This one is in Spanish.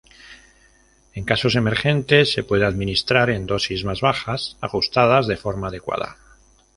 En casos emergentes, se puede administrar en dosis más bajas, ajustadas de forma adecuada.